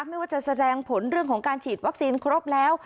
ไม่ว่าจะแสดงผลเรื่องของการฉีดวัคซีนครบแล้ว